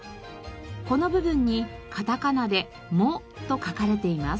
この部分にカタカナで「モ」と書かれています。